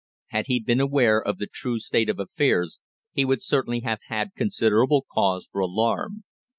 Had he been aware of the true state of affairs he would certainly have had considerable cause for alarm.